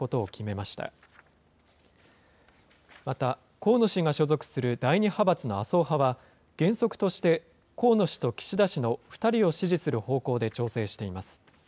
また、河野氏が所属する第２派閥の麻生派は、原則として河野氏と岸田氏の２人を支持する方向で調整しています。